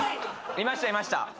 いましたいました。